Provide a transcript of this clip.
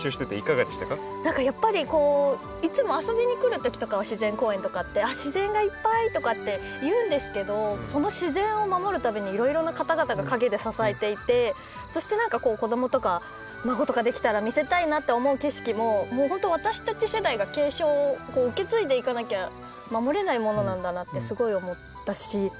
何かやっぱりこういつも遊びにくるときとかは自然公園とかって「自然がいっぱい」とかって言うんですけどその自然を守るためにいろいろな方々が陰で支えていてそして何かこう子どもとか孫とか出来たら見せたいなって思う景色も本当私たち世代が継承受け継いでいかなきゃ守れないものなんだなってすごい思ったし。